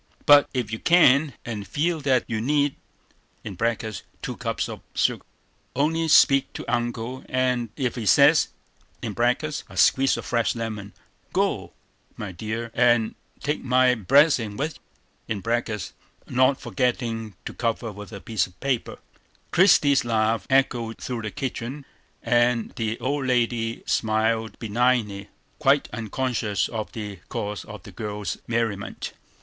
But ef you can't, and feel that you need (two cups of sugar), only speak to Uncle, and ef he says (a squeeze of fresh lemon), go, my dear, and take my blessin' with you (not forgettin' to cover with a piece of paper)." Christie's laugh echoed through the kitchen; and the old lady smiled benignly, quite unconscious of the cause of the girl's merriment.